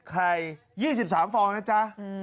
ไข่๒๓ฟองนะจ๊ะ